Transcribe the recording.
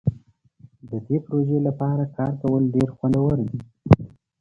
د دې پروژې لپاره کار کول ډیر خوندور دي.